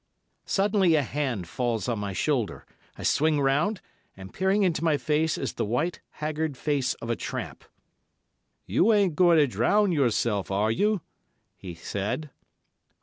Suddenly a hand falls on my shoulder; I swing round, and peering into my face is the white, haggard face of a tramp. "You ain't going to drown yourself, are you?" he said.